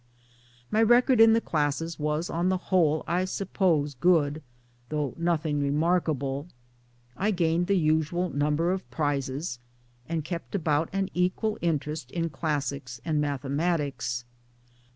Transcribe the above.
My record in the classes was on the whole, I suppose, good though nothing remarkable. I gained the usual number of prizes, and kept about an equal interest in classics and mathematics.